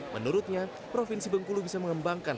menurutnya provinsi bengkulu bisa mengembangkan